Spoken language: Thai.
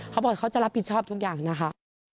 เขาบอกเขาจะรับผิดชอบทุกอย่างนะคะ